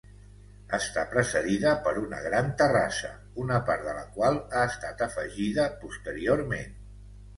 Està precedida per una gran terrassa, una part de la qual ha estat afegida posteriorment.